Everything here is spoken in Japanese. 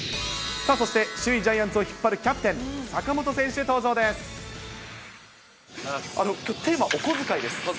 そして、首位ジャイアンツを引っ張るキャプテン、坂本選手登場です。